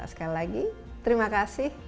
sekali lagi terima kasih